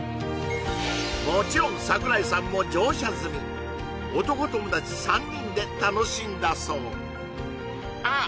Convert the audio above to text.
もちろん櫻井さんも乗車済み男友達３人で楽しんだそうあっ